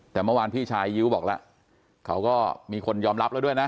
แต่เมื่อวานพี่ชายยิ้วบอกแล้วเขาก็มีคนยอมรับแล้วด้วยนะ